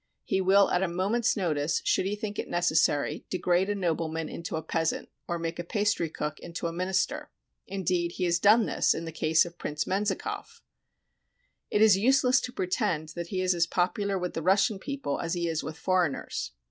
He will at a moment's notice, should he think it necessary, degrade a nobleman into a peasant or make a pastry cook into a minister. Indeed, he has done this in the case of Prince Menzilcoff . It is useless to pretend that he is as popular with the Russian people as he is with foreigners.